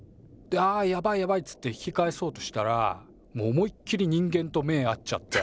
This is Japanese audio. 「あやばいやばい」っつって引き返そうとしたらもう思いっ切り人間と目ぇ合っちゃって。